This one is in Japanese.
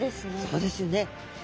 そうですね。